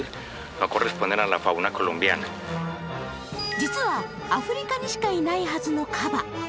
実はアフリカにしかいないはずのカバ。